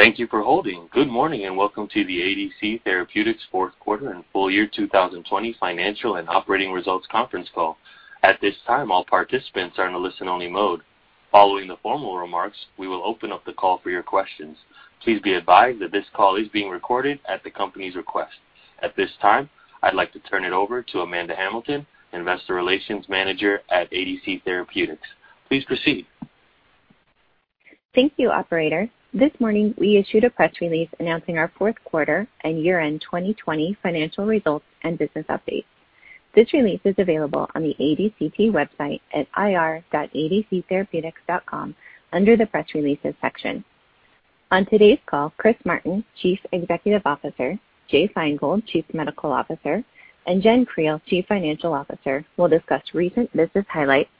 Thank you for holding. Good morning, welcome to the ADC Therapeutics Fourth Quarter and Full Year 2020 Financial and Operating Results Conference Call. At this time, all participants are in a listen-only mode. Following the formal remarks, we will open up the call for your questions. Please be advised that this call is being recorded at the company's request. At this time, I'd like to turn it over to Amanda Hamilton, Investor Relations Manager at ADC Therapeutics. Please proceed. Thank you, operator. This morning, we issued a press release announcing our fourth quarter and year-end 2020 financial results and business updates. This release is available on the ADCT website at ir.adctherapeutics.com under the Press Releases section. On today's call, Chris Martin, Chief Executive Officer, Jay Feingold, Chief Medical Officer, and Jenn Creel, Chief Financial Officer will discuss recent business highlights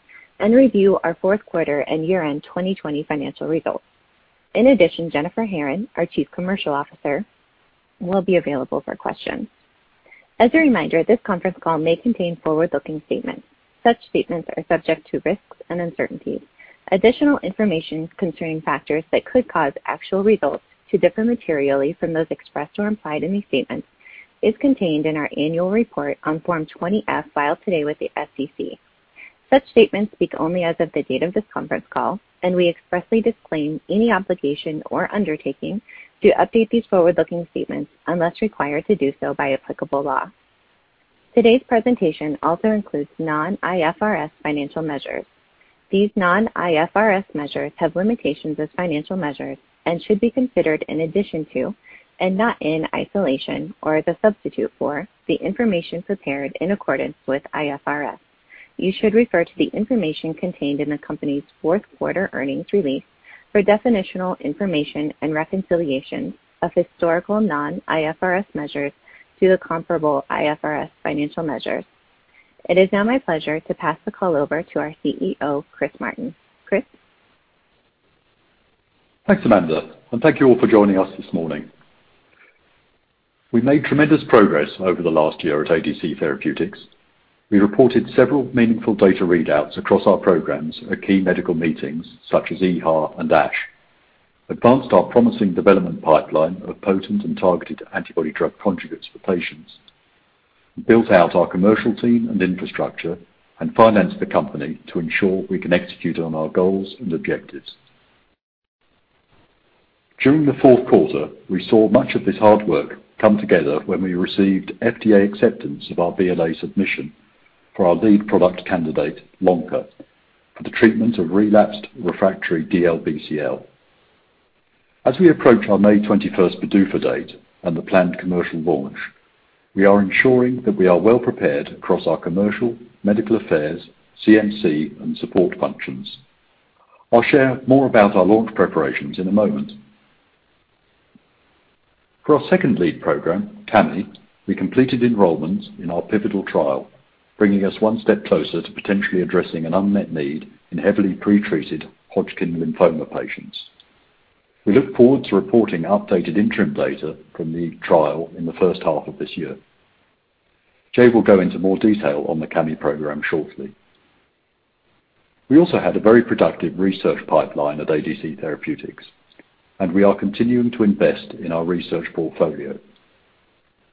and review our fourth quarter and year-end 2020 financial results. In addition, Jennifer Herron, our Chief Commercial Officer, will be available for questions. As a reminder, this conference call may contain forward-looking statements. Such statements are subject to risks and uncertainties. Additional information concerning factors that could cause actual results to differ materially from those expressed or implied in these statements is contained in our annual report on Form 20-F filed today with the SEC. Such statements speak only as of the date of this conference call, and we expressly disclaim any obligation or undertaking to update these forward-looking statements unless required to do so by applicable law. Today's presentation also includes non-IFRS financial measures. These non-IFRS measures have limitations as financial measures and should be considered in addition to, and not in isolation or as a substitute for, the information prepared in accordance with IFRS. You should refer to the information contained in the company's fourth quarter earnings release for definitional information and reconciliations of historical non-IFRS measures to the comparable IFRS financial measures. It is now my pleasure to pass the call over to our CEO, Chris Martin. Chris? Thanks, Amanda. Thank you all for joining us this morning. We made tremendous progress over the last year at ADC Therapeutics. We reported several meaningful data readouts across our programs at key medical meetings such as EHA and ASH, advanced our promising development pipeline of potent and targeted antibody drug conjugates for patients, built out our commercial team and infrastructure, and financed the company to ensure we can execute on our goals and objectives. During the fourth quarter, we saw much of this hard work come together when we received FDA acceptance of our BLA submission for our lead product candidate, Lonca, for the treatment of relapsed refractory DLBCL. As we approach our May 21st PDUFA date and the planned commercial launch, we are ensuring that we are well-prepared across our commercial, medical affairs, CMC, and support functions. I'll share more about our launch preparations in a moment. For our second lead program, Cami, we completed enrollments in our pivotal trial, bringing us one step closer to potentially addressing an unmet need in heavily pre-treated Hodgkin lymphoma patients. We look forward to reporting updated interim data from the trial in the first half of this year. Jay will go into more detail on the Cami program shortly. We also had a very productive research pipeline at ADC Therapeutics, and we are continuing to invest in our research portfolio.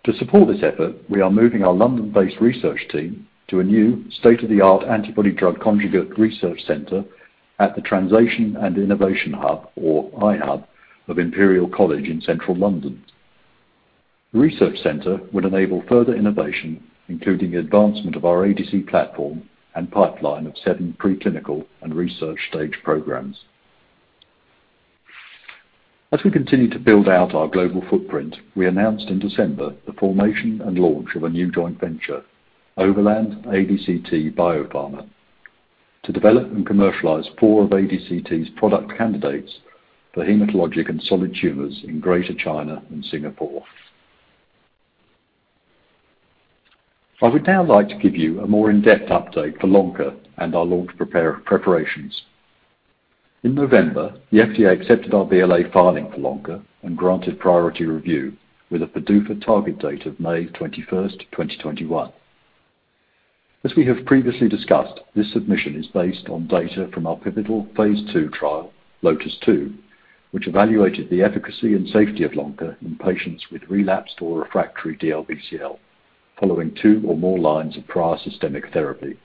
To support this effort, we are moving our London-based research team to a new state-of-the-art antibody drug conjugate research center at the Translation & Innovation Hub, or I-HUB, of Imperial College in Central London. The research center would enable further innovation, including advancement of our ADC platform and pipeline of seven pre-clinical and research-stage programs. As we continue to build out our global footprint, we announced in December the formation and launch of a new joint venture, Overland ADCT BioPharma, to develop and commercialize four of ADCT's product candidates for hematologic and solid tumors in Greater China and Singapore. I would now like to give you a more in-depth update for Lonca and our launch preparations. In November, the FDA accepted our BLA filing for Lonca and granted priority review with a PDUFA target date of May 21st, 2021. As we have previously discussed, this submission is based on data from our pivotal phase II trial, LOTIS-2, which evaluated the efficacy and safety of Lonca in patients with relapsed or refractory DLBCL following two or more lines of prior systemic therapy.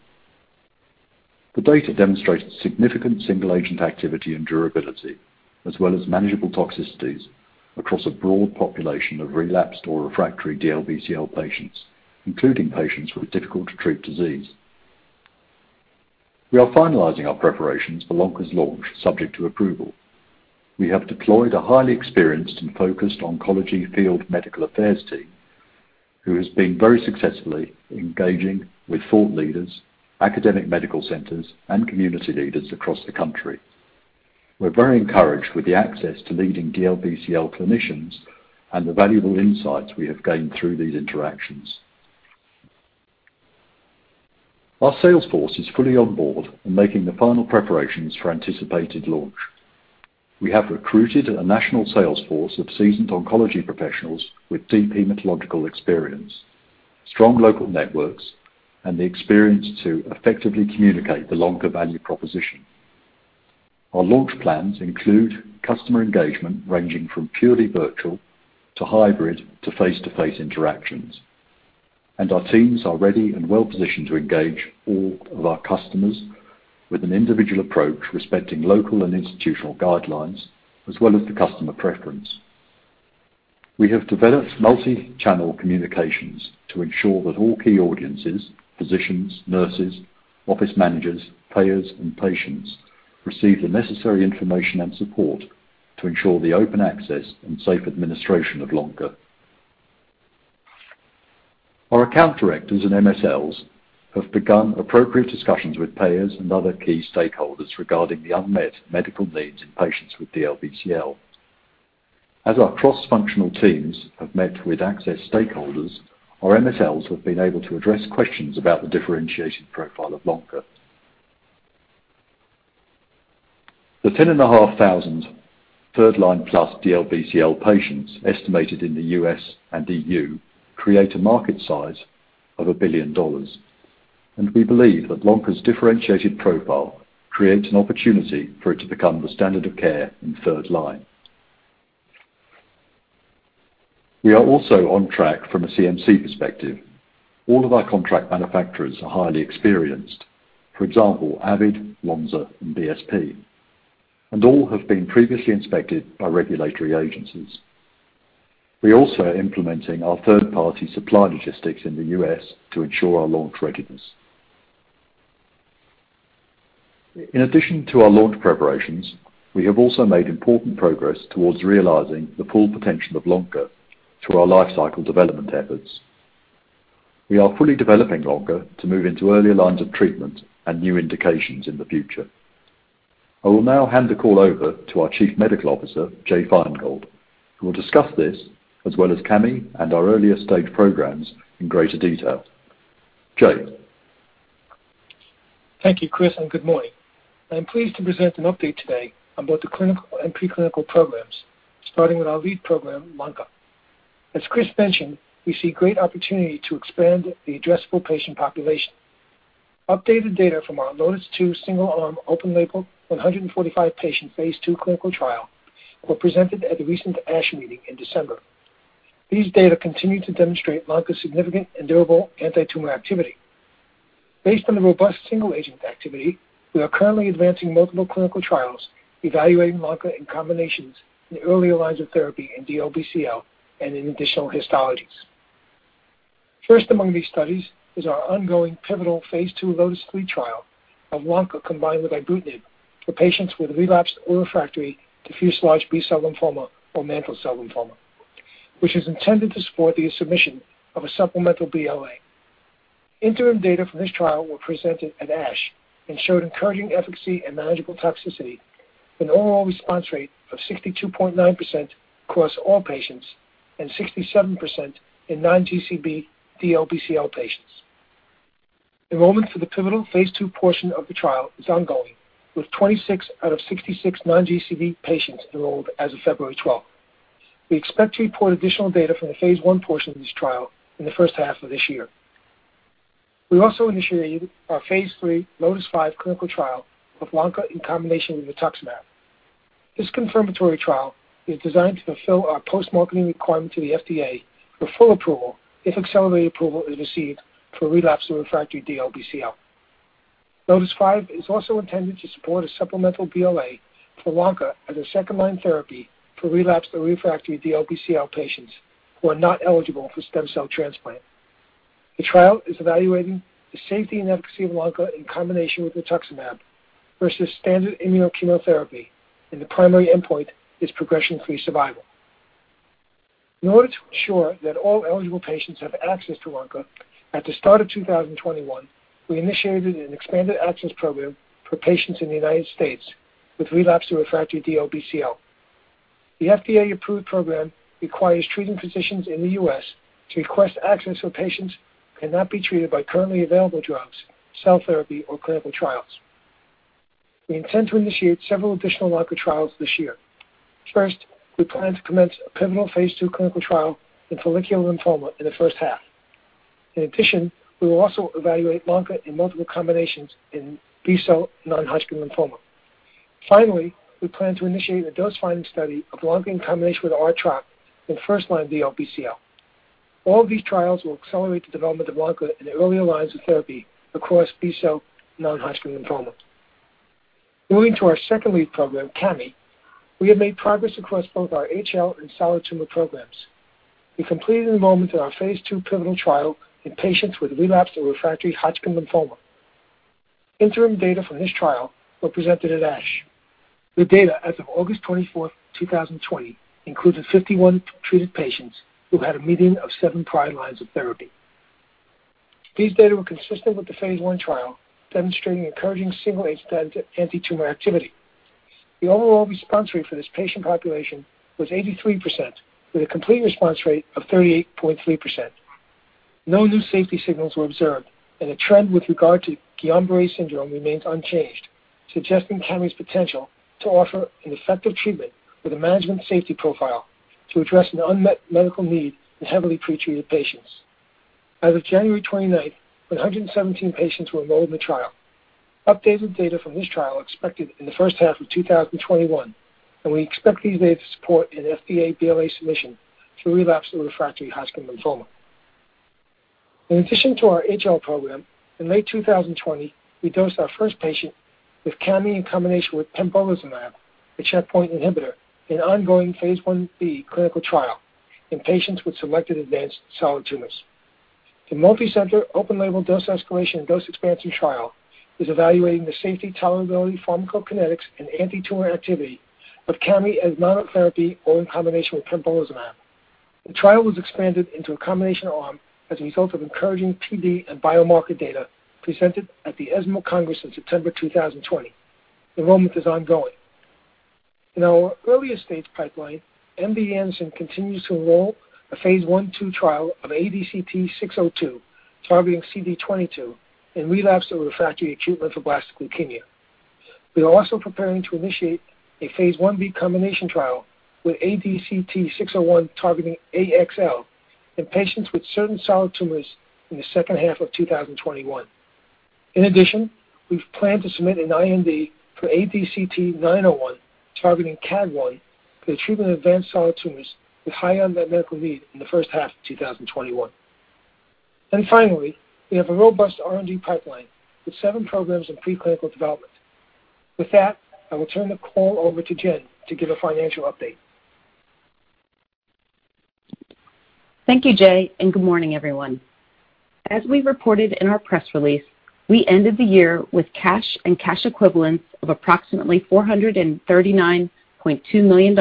The data demonstrated significant single-agent activity and durability as well as manageable toxicities across a broad population of relapsed or refractory DLBCL patients, including patients with difficult-to-treat disease. We are finalizing our preparations for Lonca's launch subject to approval. We have deployed a highly experienced and focused oncology field medical affairs team who has been very successfully engaging with thought leaders, academic medical centers, and community leaders across the country. We're very encouraged with the access to leading DLBCL clinicians and the valuable insights we have gained through these interactions. Our sales force is fully on board and making the final preparations for anticipated launch. We have recruited a national sales force of seasoned oncology professionals with deep hematological experience, strong local networks, and the experience to effectively communicate the Lonca value proposition. Our launch plans include customer engagement ranging from purely virtual to hybrid to face-to-face interactions, and our teams are ready and well-positioned to engage all of our customers with an individual approach, respecting local and institutional guidelines as well as the customer preference. We have developed multi-channel communications to ensure that all key audiences, physicians, nurses, office managers, payers, and patients receive the necessary information and support to ensure the open access and safe administration of Lonca. Our account directors and MSLs have begun appropriate discussions with payers and other key stakeholders regarding the unmet medical needs in patients with DLBCL. As our cross-functional teams have met with access stakeholders, our MSLs have been able to address questions about the differentiated profile of Lonca. The 10,500 third-line plus DLBCL patients estimated in the U.S. and EU create a market size of $1 billion. We believe that Lonca's differentiated profile creates an opportunity for it to become the standard of care in third line. We are also on track from a CMC perspective. All of our contract manufacturers are highly experienced. For example, Avid, Lonza, and BSP. All have been previously inspected by regulatory agencies. We also are implementing our third-party supply logistics in the U.S. to ensure our launch readiness. In addition to our launch preparations, we have also made important progress towards realizing the full potential of Lonca through our lifecycle development efforts. We are fully developing Lonca to move into earlier lines of treatment and new indications in the future. I will now hand the call over to our Chief Medical Officer, Jay Feingold, who will discuss this as well as Cami and our earlier-stage programs in greater detail. Jay? Thank you, Chris. Good morning. I am pleased to present an update today on both the clinical and pre-clinical programs, starting with our lead program, Lonca. As Chris mentioned, we see great opportunity to expand the addressable patient population. Updated data from our LOTIS-2 single-arm open-label 145 patient phase II clinical trial were presented at the recent ASH meeting in December. These data continue to demonstrate Lonca's significant and durable anti-tumor activity. Based on the robust single-agent activity, we are currently advancing multiple clinical trials evaluating Lonca in combinations in the earlier lines of therapy in DLBCL and in additional histologies. First among these studies is our ongoing pivotal phase II LOTIS-3 trial of Lonca combined with ibrutinib for patients with relapsed or refractory diffuse large B-cell lymphoma or mantle cell lymphoma, which is intended to support the submission of a supplemental BLA. Interim data from this trial were presented at ASH and showed encouraging efficacy and manageable toxicity with an overall response rate of 62.9% across all patients and 67% in non-GCB DLBCL patients. Enrollment for the pivotal phase II portion of the trial is ongoing, with 26 out of 66 non-GCB patients enrolled as of February 12th. We expect to report additional data from the phase I portion of this trial in the first half of this year. We also initiated our phase III LOTIS-5 clinical trial of Lonca in combination with rituximab. This confirmatory trial is designed to fulfill our post-marketing requirement to the FDA for full approval if accelerated approval is received for relapsed or refractory DLBCL. LOTIS-5 is also intended to support a supplemental BLA for Lonca as a second-line therapy for relapsed or refractory DLBCL patients who are not eligible for stem cell transplant. The trial is evaluating the safety and efficacy of Lonca in combination with rituximab versus standard immunochemotherapy, and the primary endpoint is progression-free survival. In order to ensure that all eligible patients have access to Lonca, at the start of 2021, we initiated an expanded access program for patients in the United States with relapsed or refractory DLBCL. The FDA-approved program requires treating physicians in the U.S. to request access for patients who cannot be treated by currently available drugs, cell therapy, or clinical trials. We intend to initiate several additional Lonca trials this year. First, we plan to commence a pivotal phase II clinical trial in follicular lymphoma in the first half. In addition, we will also evaluate Lonca in multiple combinations in B-cell non-Hodgkin lymphoma. Finally, we plan to initiate a dose-finding study of Lonca in combination with R-CHOP in first-line DLBCL. All these trials will accelerate the development of Lonca in the earlier lines of therapy across B-cell non-Hodgkin lymphoma. Moving to our second lead program, Cami, we have made progress across both our HL and solid tumor programs. We completed enrollment in our phase II pivotal trial in patients with relapsed or refractory Hodgkin lymphoma. Interim data from this trial were presented at ASH. The data as of August 24th, 2020, included 51 treated patients who had a median of seven prior lines of therapy. These data were consistent with the phase I trial, demonstrating encouraging single-agent anti-tumor activity. The overall response rate for this patient population was 83%, with a complete response rate of 38.3%. No new safety signals were observed, and a trend with regard to Guillain-Barré syndrome remains unchanged, suggesting Cami's potential to offer an effective treatment with a manageable safety profile to address an unmet medical need in heavily pre-treated patients. As of January 29th, 117 patients were enrolled in the trial. Updated data from this trial are expected in the first half of 2021. We expect these data to support an FDA BLA submission for relapsed or refractory Hodgkin lymphoma. In addition to our HL program, in May 2020, we dosed our first patient with Cami in combination with pembrolizumab, a checkpoint inhibitor, in an ongoing phase I-B clinical trial in patients with selected advanced solid tumors. The multicenter, open-label dose-escalation and dose-expansion trial is evaluating the safety, tolerability, pharmacokinetics, and anti-tumor activity of Cami as monotherapy or in combination with pembrolizumab. The trial was expanded into a combination arm as a result of encouraging PD and biomarker data presented at the ESMO Congress in September 2020. Enrollment is ongoing. In our earlier-stage pipeline, MD Anderson continues to enroll a phase I/II trial of ADCT-602, targeting CD22 in relapsed or refractory acute lymphoblastic leukemia. We are also preparing to initiate a phase I-B combination trial with ADCT-601 targeting AXL in patients with certain solid tumors in the second half of 2021. In addition, we plan to submit an IND for ADCT-901, targeting KAAG1, for the treatment of advanced solid tumors with high unmet medical need in the first half of 2021. Finally, we have a robust R&D pipeline with seven programs in preclinical development. With that, I will turn the call over to Jenn to give a financial update. Thank you, Jay, and good morning, everyone. As we reported in our press release, we ended the year with cash and cash equivalents of approximately $439.2 million,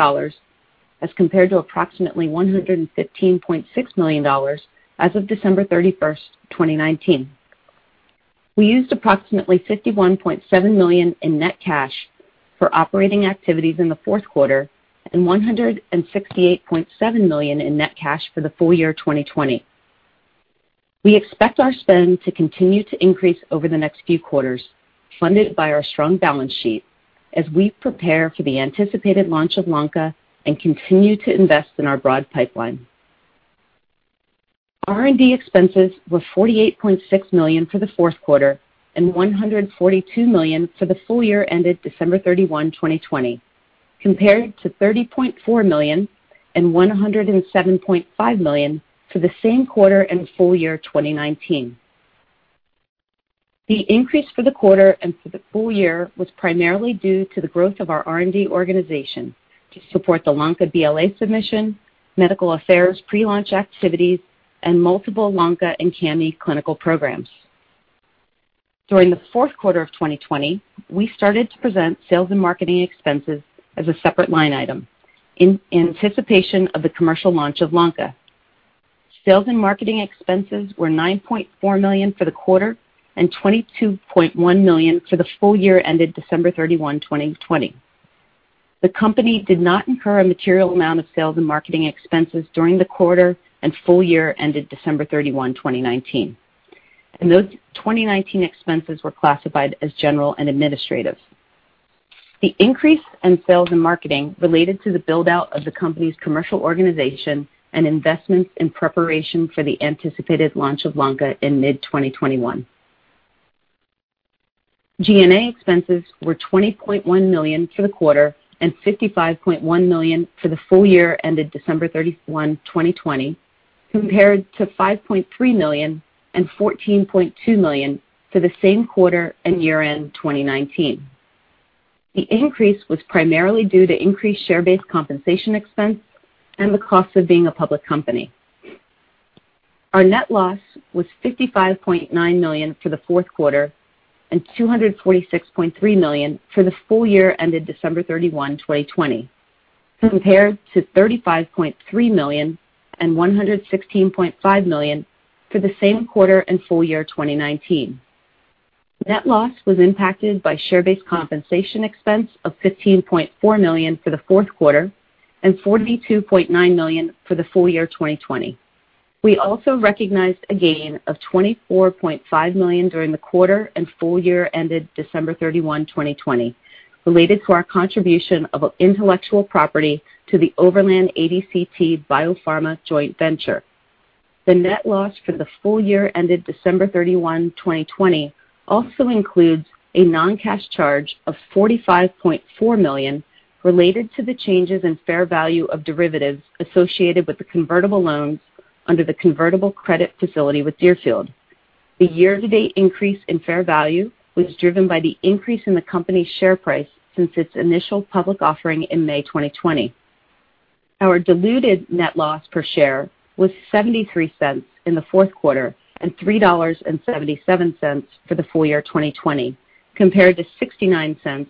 as compared to approximately $115.6 million as of December 31, 2019. We used approximately $51.7 million in net cash for operating activities in the fourth quarter and $168.7 million in net cash for the full year 2020. We expect our spend to continue to increase over the next few quarters, funded by our strong balance sheet as we prepare for the anticipated launch of Lonca and continue to invest in our broad pipeline. R&D expenses were $48.6 million for the fourth quarter and $142 million for the full year ended December 31, 2020, compared to $30.4 million and $107.5 million for the same quarter and full year 2019. The increase for the quarter and for the full year was primarily due to the growth of our R&D organization to support the Lonca BLA submission, medical affairs, pre-launch activities, and multiple Lonca and Cami clinical programs. During the fourth quarter of 2020, we started to present sales and marketing expenses as a separate line item in anticipation of the commercial launch of Lonca. Sales and marketing expenses were $9.4 million for the quarter and $22.1 million for the full year ended December 31, 2020. The company did not incur a material amount of sales and marketing expenses during the quarter and full year ended December 31, 2019, and those 2019 expenses were classified as general and administrative. The increase in sales and marketing related to the build-out of the company's commercial organization and investments in preparation for the anticipated launch of Lonca in mid-2021. G&A expenses were $20.1 million for the quarter and $55.1 million for the full year ended December 31, 2020, compared to $5.3 million and $14.2 million for the same quarter and year-end 2019. The increase was primarily due to increased share-based compensation expense and the cost of being a public company. Our net loss was $55.9 million for the fourth quarter and $246.3 million for the full year ended December 31, 2020, compared to $35.3 million and $116.5 million for the same quarter and full year 2019. Net loss was impacted by share-based compensation expense of $15.4 million for the fourth quarter and $42.9 million for the full year 2020. We also recognized a gain of $24.5 million during the quarter and full year ended December 31, 2020, related to our contribution of intellectual property to the Overland ADCT BioPharma joint venture. The net loss for the full year ended December 31, 2020, also includes a non-cash charge of $45.4 million related to the changes in fair value of derivatives associated with the convertible loans under the convertible credit facility with Deerfield. The year-to-date increase in fair value was driven by the increase in the company's share price since its initial public offering in May 2020. Our diluted net loss per share was $0.73 in the fourth quarter and $3.77 for the full year 2020, compared to $0.69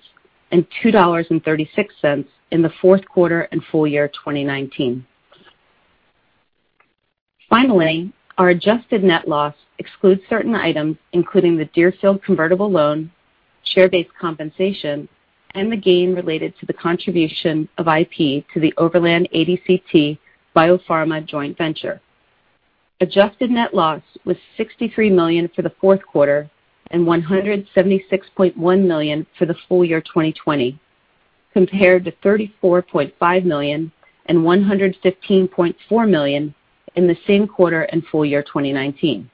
and $2.36 in the fourth quarter and full year 2019. Finally, our adjusted net loss excludes certain items, including the Deerfield convertible loan, share-based compensation, and the gain related to the contribution of IP to the Overland ADCT BioPharma joint venture. Adjusted net loss was $63 million for the fourth quarter and $176.1 million for the full year 2020, compared to $34.5 million and $115.4 million in the same quarter and full year 2019.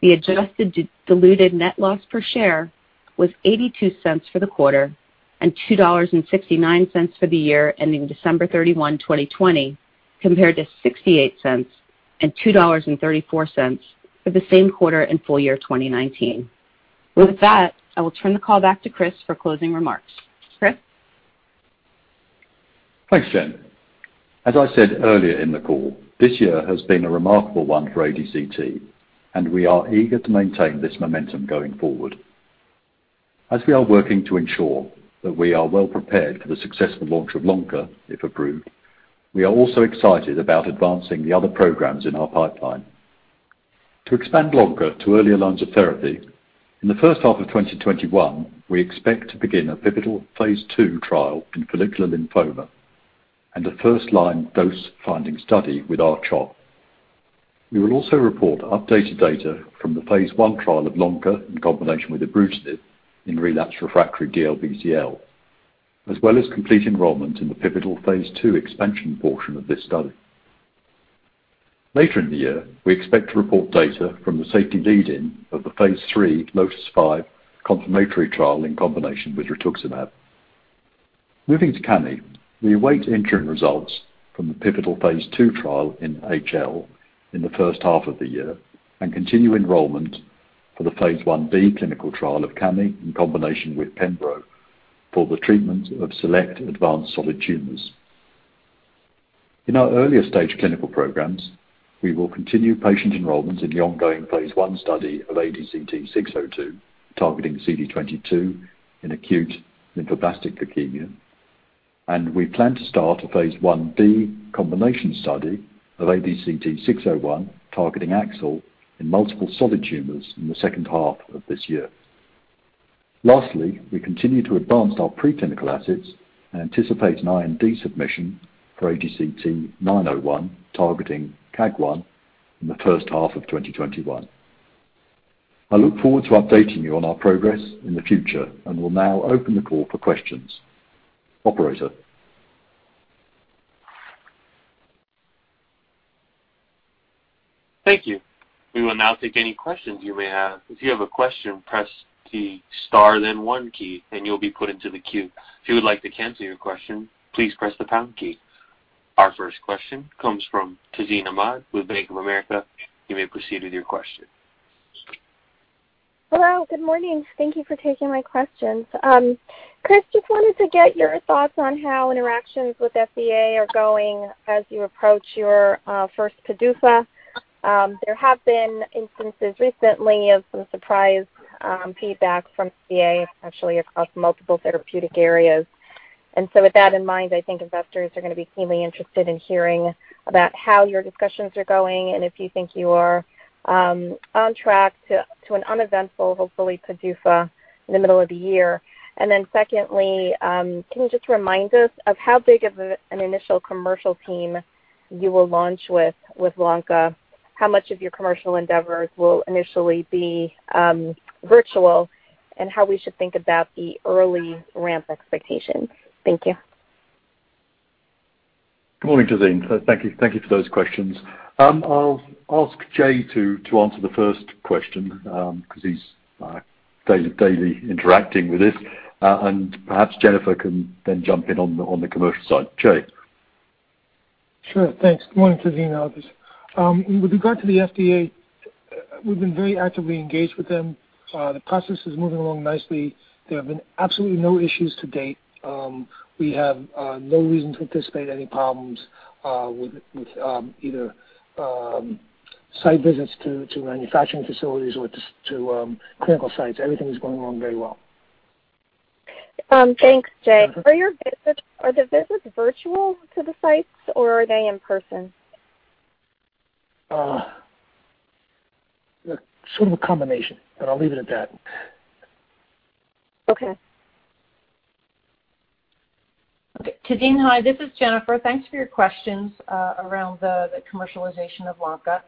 The adjusted diluted net loss per share was $0.82 for the quarter and $2.69 for the year ending December 31, 2020, compared to $0.68 and $2.34 for the same quarter and full year 2019. With that, I will turn the call back to Chris for closing remarks. Chris? Thanks, Jenn. As I said earlier in the call, this year has been a remarkable one for ADCT, and we are eager to maintain this momentum going forward. As we are working to ensure that we are well prepared for the successful launch of Lonca, if approved, we are also excited about advancing the other programs in our pipeline. To expand Lonca to earlier lines of therapy, in the first half of 2021, we expect to begin a pivotal phase II trial in follicular lymphoma and a first-line dose-finding study with R-CHOP. We will also report updated data from the phase I trial of Lonca in combination with ibrutinib in relapsed/refractory DLBCL, as well as complete enrollment in the pivotal phase II expansion portion of this study. Later in the year, we expect to report data from the safety lead-in of the phase III LOTIS-5 confirmatory trial in combination with rituximab. Moving to Cami, we await interim results from the pivotal phase II trial in HL in the first half of the year and continue enrollment for the phase I-B clinical trial of Cami in combination with pembro for the treatment of select advanced solid tumors. In our earlier-stage clinical programs, we will continue patient enrollment in the ongoing phase I study of ADCT-602 targeting CD22 in acute lymphoblastic leukemia, and we plan to start a phase I-B combination study of ADCT-601 targeting AXL in multiple solid tumors in the second half of this year. Lastly, we continue to advance our preclinical assets and anticipate an IND submission for ADCT-901 targeting KAAG1 in the first half of 2021. I look forward to updating you on our progress in the future and will now open the call for questions. Operator? Thank you. We will now take any questions you may have. If you have a question, press the star then one key, and you will be put into the queue. If you would like to cancel your question, please press the pound key. Our first question comes from Tazeen Ahmad with Bank of America. You may proceed with your question. Hello. Good morning. Thank you for taking my questions. Chris, just wanted to get your thoughts on how interactions with FDA are going as you approach your first PDUFA. There have been instances recently of some surprise feedback from the FDA, actually across multiple therapeutic areas. With that in mind, I think investors are going to be keenly interested in hearing about how your discussions are going and if you think you are on track to an uneventful, hopefully, PDUFA in the middle of the year. Secondly, can you just remind us of how big of an initial commercial team you will launch with Lonca? How much of your commercial endeavors will initially be virtual, and how we should think about the early ramp expectations? Thank you. Good morning, Tazeen. Thank you for those questions. I'll ask Jay to answer the first question because he's daily interacting with this, and perhaps Jennifer can then jump in on the commercial side. Jay? Sure. Thanks. Good morning, Tazeen and others. With regard to the FDA, we've been very actively engaged with them. The process is moving along nicely. There have been absolutely no issues to date. We have no reason to anticipate any problems with either site visits to manufacturing facilities or to clinical sites. Everything is going along very well. Thanks, Jay. Are the visits virtual to the sites, or are they in person? Sort of a combination, and I'll leave it at that. Okay. Okay. Tazeen, hi. This is Jennifer. Thanks for your questions around the commercialization of Lonca.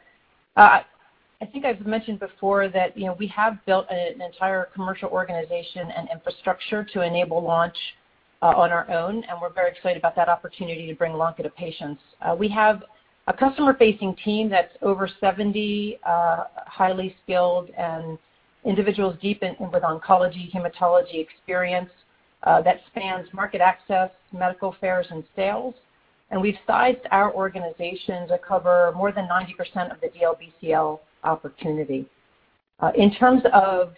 I think I've mentioned before that we have built an entire commercial organization and infrastructure to enable launch on our own, and we're very excited about that opportunity to bring Lonca to patients. We have a customer-facing team that's over 70 highly skilled and individuals deep with oncology, hematology experience that spans market access, medical affairs, and sales. We've sized our organization to cover more than 90% of the DLBCL opportunity. In terms of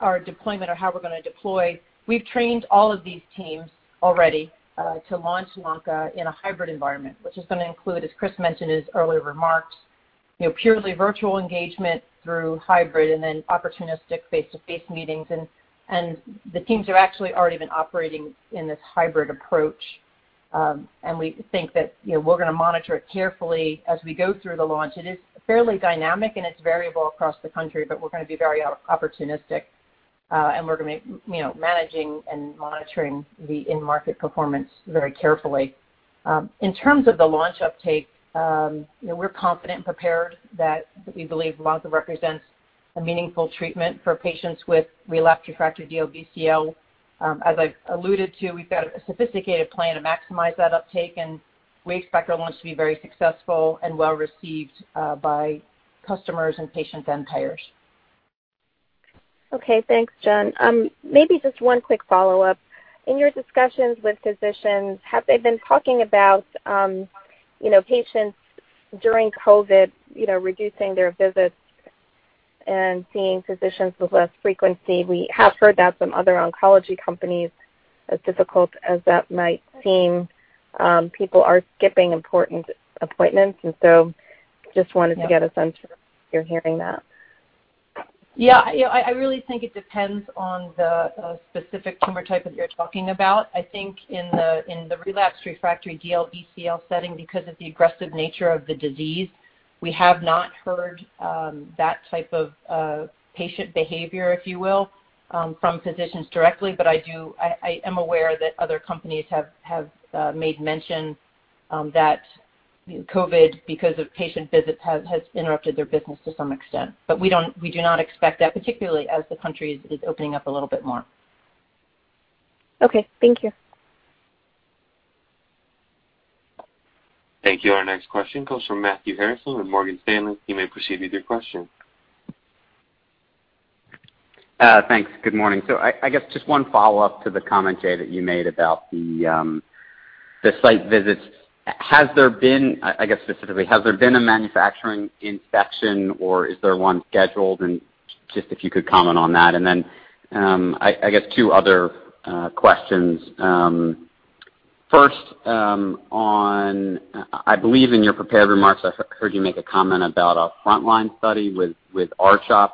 our deployment or how we're going to deploy, we've trained all of these teams already to launch Lonca in a hybrid environment, which is going to include, as Chris mentioned in his earlier remarks, purely virtual engagement through hybrid and then opportunistic face-to-face meetings. The teams have actually already been operating in this hybrid approach. We think that we're going to monitor it carefully as we go through the launch. It is fairly dynamic, and it's variable across the country. We're going to be very opportunistic. We're going to be managing and monitoring the in-market performance very carefully. In terms of the launch uptake, we're confident and prepared that we believe Lonca represents a meaningful treatment for patients with relapsed/refractory DLBCL. As I've alluded to, we've got a sophisticated plan to maximize that uptake, and we expect our launch to be very successful and well-received by customers and patient payers. Okay. Thanks, Jenn. Maybe just one quick follow-up. In your discussions with physicians, have they been talking about patients during COVID reducing their visits and seeing physicians with less frequency? We have heard that from other oncology companies. As difficult as that might seem, people are skipping important appointments, and so just wanted to get a sense if you're hearing that. I really think it depends on the specific tumor type that you're talking about. I think in the relapsed/refractory DLBCL setting, because of the aggressive nature of the disease, we have not heard that type of patient behavior, if you will, from physicians directly. I am aware that other companies have made mention that COVID, because of patient visits, has interrupted their business to some extent. We do not expect that, particularly as the country is opening up a little bit more. Okay. Thank you. Thank you. Our next question comes from Matthew Harrison with Morgan Stanley. You may proceed with your question. Thanks. Good morning. I guess just one follow-up to the comment, Jay, that you made about the site visits. Has there been, I guess, specifically, has there been a manufacturing inspection, or is there one scheduled, and just if you could comment on that? I guess two other questions. First on, I believe in your prepared remarks, I heard you make a comment about a frontline study with R-CHOP.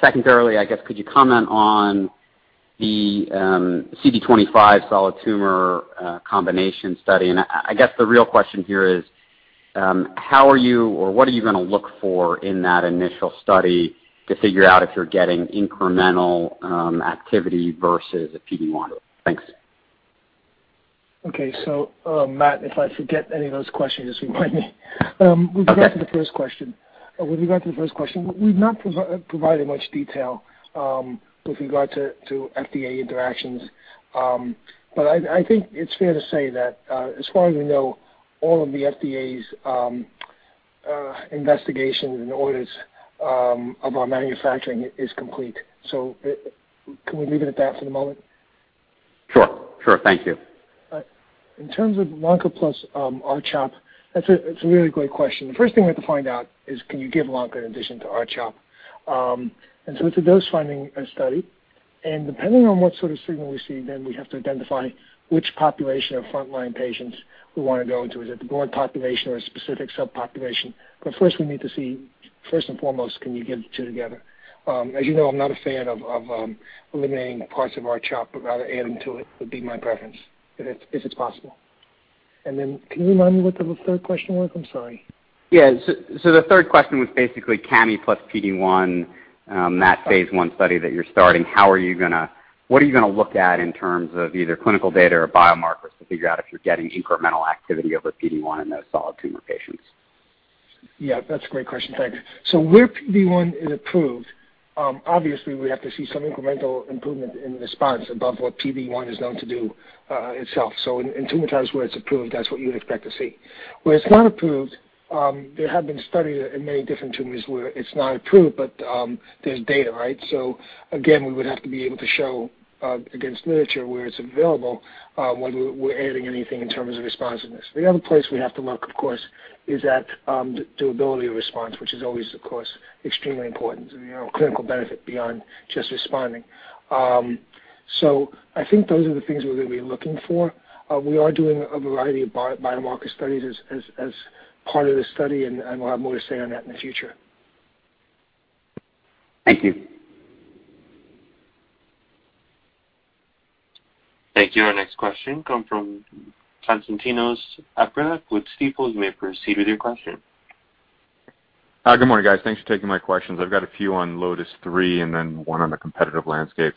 Secondarily, I guess could you comment on the CD25 solid tumor combination study? I guess the real question here is, how are you or what are you going to look for in that initial study to figure out if you're getting incremental activity versus a PD-1? Thanks. Okay. Matt, if I forget any of those questions, just remind me. Okay. With regard to the first question, we've not provided much detail with regard to FDA interactions. I think it's fair to say that as far as we know, all of the FDA's investigations and orders of our manufacturing is complete. Can we leave it at that for the moment? Sure. Thank you. In terms of Lonca plus R-CHOP, that's a really great question. The first thing we have to find out is, can you give Lonca in addition to R-CHOP? It's a dose-finding study, depending on what sort of signal we see, we have to identify which population of frontline patients we want to go into. Is it the broad population or a specific subpopulation? First we need to see, first and foremost, can you give the two together? As you know, I'm not a fan of eliminating parts of R-CHOP, but rather add them to it would be my preference, if it's possible. Can you remind me what the third question was? I'm sorry. Yeah. The third question was basically Cami plus PD-1, that phase I study that you're starting. What are you going to look at in terms of either clinical data or biomarkers to figure out if you're getting incremental activity over PD-1 in those solid tumor patients? Yeah, that's a great question. Thanks. Where PD-1 is approved, obviously we have to see some incremental improvement in response above what PD-1 is known to do itself. In tumor types where it's approved, that's what you would expect to see. Where it's not approved, there have been studies in many different tumors where it's not approved, but there's data, right? Again, we would have to be able to show against literature where it's available when we're adding anything in terms of responsiveness. The other place we have to look, of course, is at durability of response, which is always, of course, extremely important, clinical benefit beyond just responding. I think those are the things we're going to be looking for. We are doing a variety of biomarker studies as part of this study, and we'll have more to say on that in the future. Thank you. Thank you. Our next question comes from Konstantinos Aprilakis with Stifel. You may proceed with your question. Good morning, guys. Thanks for taking my questions. I've got a few on LOTIS-3 and then one on the competitive landscape.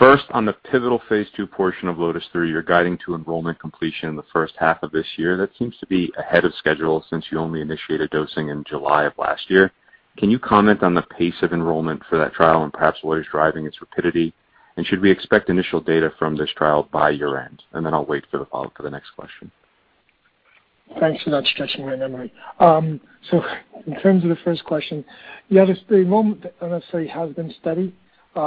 First, on the pivotal phase II portion of LOTIS-3, you're guiding to enrollment completion in the first half of this year. That seems to be ahead of schedule since you only initiated dosing in July of last year. Can you comment on the pace of enrollment for that trial and perhaps what is driving its rapidity? Should we expect initial data from this trial by year-end? I'll wait for the follow-up for the next question. Thanks for that, stretching my memory. In terms of the first question, yeah, the enrollment on that study has been steady. I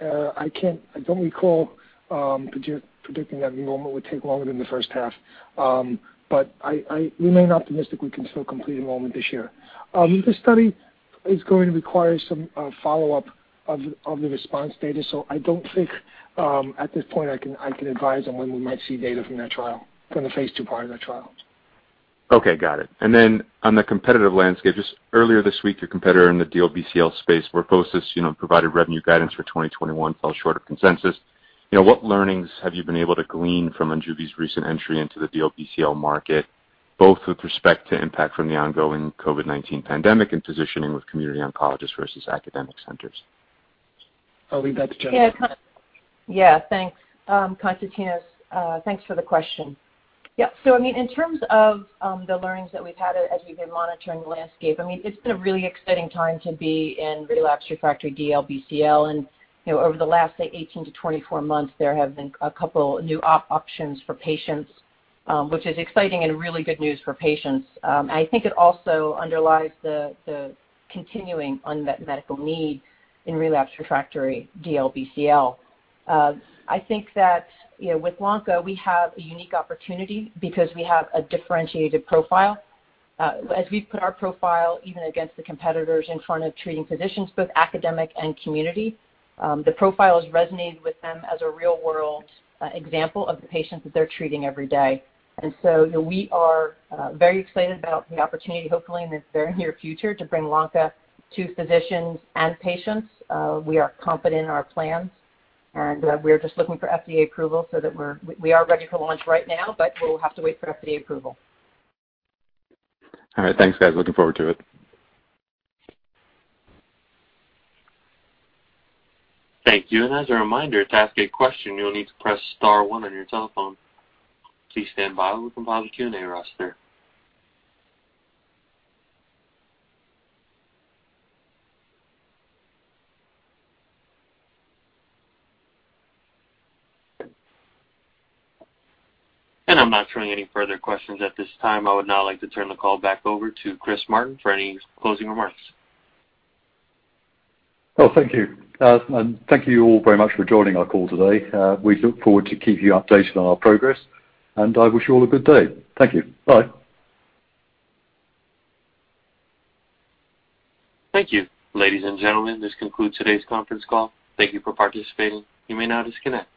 don't recall predicting that enrollment would take longer than the first half. I remain optimistic we can still complete enrollment this year. This study is going to require some follow-up of the response data, so I don't think at this point I can advise on when we might see data from that trial, from the phase II part of that trial. Okay, got it. On the competitive landscape, just earlier this week, your competitor in the DLBCL space, MorphoSys, provided revenue guidance for 2021, fell short of consensus. What learnings have you been able to glean from MONJUVI's recent entry into the DLBCL market, both with respect to impact from the ongoing COVID-19 pandemic and positioning with community oncologists versus academic centers. I'll leave that to Jennifer. Yeah, thanks. Konstantinos, thanks for the question. Yeah, in terms of the learnings that we've had as we've been monitoring the landscape, it's been a really exciting time to be in relapsed/refractory DLBCL and over the last, say, 18-24 months, there have been a couple new options for patients, which is exciting and really good news for patients. I think it also underlies the continuing unmet medical need in relapsed/refractory DLBCL. I think that with Lonca, we have a unique opportunity because we have a differentiated profile. As we've put our profile, even against the competitors in front of treating physicians, both academic and community, the profile has resonated with them as a real-world example of the patients that they're treating every day. We are very excited about the opportunity, hopefully in the very near future, to bring Lonca to physicians and patients. We are confident in our plans, and we're just looking for FDA approval. We are ready for launch right now, but we'll have to wait for FDA approval. All right. Thanks, guys. Looking forward to it. Thank you. As a reminder, to ask a question, you'll need to press star one on your telephone. Please stand by while we compile the Q&A roster. I'm not showing any further questions at this time. I would now like to turn the call back over to Chris Martin for any closing remarks. Well, thank you. Thank you all very much for joining our call today. We look forward to keeping you updated on our progress, and I wish you all a good day. Thank you. Bye. Thank you. Ladies and gentlemen, this concludes today's conference call. Thank you for participating. You may now disconnect.